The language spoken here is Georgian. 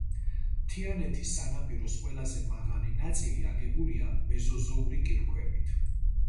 მთიანეთის სანაპიროს ყველაზე მაღალი ნაწილი აგებულია მეზოზოური კირქვებით.